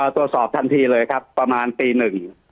ตรวจสอบทันทีเลยครับประมาณตีหนึ่ง